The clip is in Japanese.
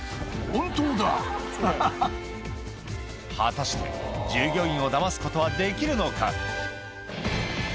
果たして従業員をダマすことはできるのか？